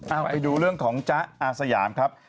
เอาไปดูเรื่องของจ๊ะอาสยามครับ